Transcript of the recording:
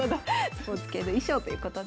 スポーツ系の衣装ということです。